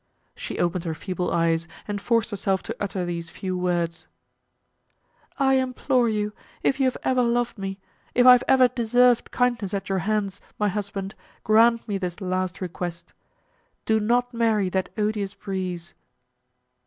She opened her feeble eyes, and forced herself to utter these few words: "I implore you, if you have ever loved me, if I have ever deserved kindness at your hands, my husband, grant me this last request; do not marry that odious Breeze!"